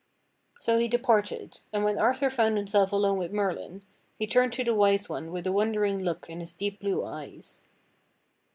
So he departed; and when Arthur found himself alone with Merlin, he turned to the Wise One with a wondering look in his deep blue eyes.